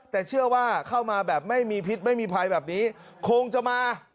แต่เชื่อว่าเข้ามาแบบไม่มีพิษไม่มีภัยแบบนี้คงจะมา